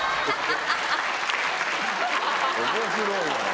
面白いな。